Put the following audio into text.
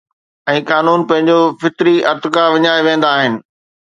۽ قانون پنهنجو فطري ارتقا وڃائي ويهندا آهن